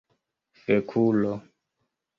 fekulo